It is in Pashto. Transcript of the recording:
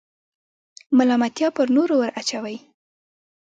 ملامتیا پر نورو وراچوئ.